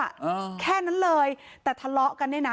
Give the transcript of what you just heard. อ่าแค่นั้นเลยแต่ทะเลาะกันเนี่ยนะ